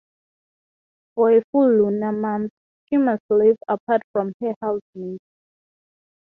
For a full lunar month she must live apart from her housemates.